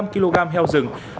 một mươi năm kg heo rừng